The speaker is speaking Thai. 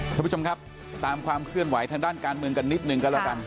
ท่านผู้ชมครับตามความเคลื่อนไหวทางด้านการเมืองกันนิดหนึ่งก็แล้วกัน